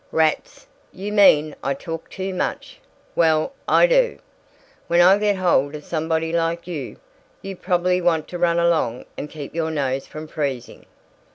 "Rats. You mean I talk too much. Well, I do, when I get hold of somebody like you. You probably want to run along and keep your nose from freezing."